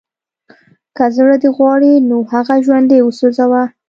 که زړه دې غواړي نو هغه ژوندی وسوځوه